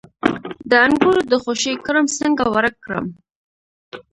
د انګورو د خوشې کرم څنګه ورک کړم؟